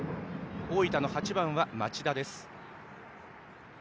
大分の８番は町田です。